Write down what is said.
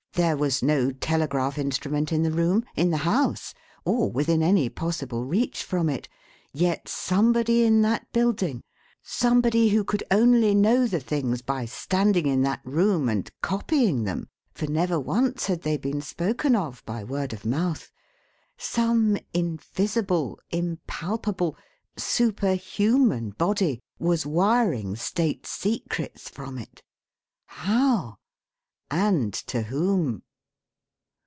There was no telegraph instrument in the room in the house or within any possible reach from it. Yet somebody in that building somebody who could only know the things by standing in that room and copying them, for never once had they been spoken of by word of mouth some invisible, impalpable, superhuman body was wiring State secrets from it. How? And to whom?